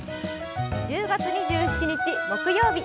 １０月２７日木曜日。